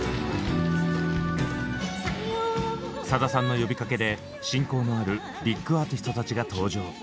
さださんの呼びかけで親交のあるビッグアーティストたちが登場。